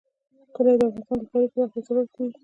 کلي د افغانستان د ښاري پراختیا سبب کېږي.